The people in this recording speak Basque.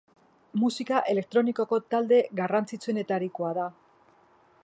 Musika elektronikoko talde garrantzitsuenetarikoa da.